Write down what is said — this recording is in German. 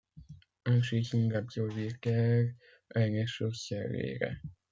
Anschließend absolvierte er eine Schlosserlehre.